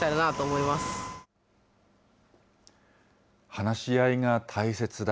話し合いが大切だ。